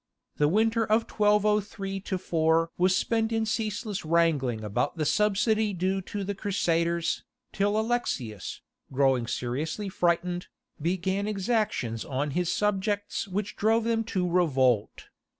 The winter of 1203 4 was spent in ceaseless wrangling about the subsidy due to the Crusaders, till Alexius, growing seriously frightened, began exactions on his subjects which drove them to revolt.